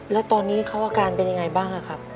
แล้วตอนนี้เขาอาการเป็นยังไงบ้างครับ